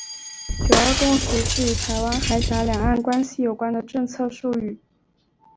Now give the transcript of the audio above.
九二共识是与台湾海峡两岸关系有关的政治术语。